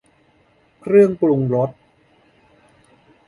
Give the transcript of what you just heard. เครื่องปรุงรส